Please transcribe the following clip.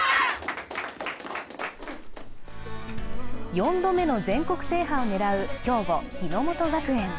４度目の全国制覇を狙う兵庫・日ノ本学園。